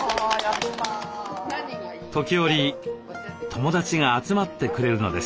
時折友達が集まってくれるのです。